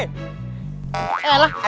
temen zadis selatan